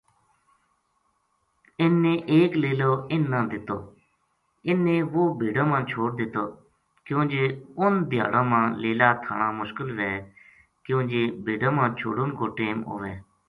اِن نے ایک لیلواِن نا دتواِ ن نے وہ بھیڈاں ما چھوڈ دتوکیوں جے اُن دھیاڑاں ما لیلا تھانامشکل وھے کیوں جے بھیڈاں ما چھوڈن کو ٹیم ھوے